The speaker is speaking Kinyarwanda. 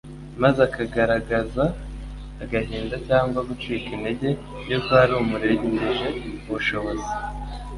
maze akagaragaza agahinda cyangwa gucika intege yuko hari umurengeje ubushobozi,